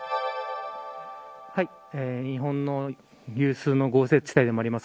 日本の有数の豪雪地帯でもあります